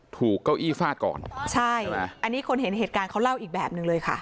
เก้าอี้ฟาดก่อนใช่อันนี้คนเห็นเหตุการณ์เขาเล่าอีกแบบหนึ่งเลยค่ะ